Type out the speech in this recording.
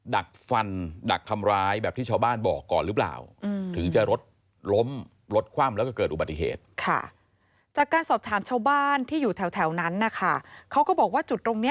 ดักฟันดักคำร้ายแบบที่ชาวบ้านเบาะก่อนหรือเปล่า